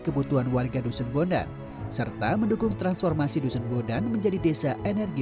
kebutuhan warga dusun bondan serta mendukung transformasi dusun bondan menjadi desa energi